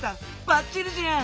ばっちりじゃん！